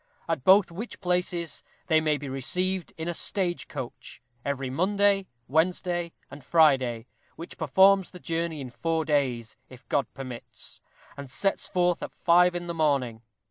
At both which places they may be received in a Stage Coach, every Monday, Wednesday, and Friday, which performs the journey in four days if God permits! and sets forth at five in the morning.